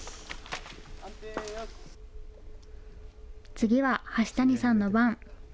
次は橋谷さんの番。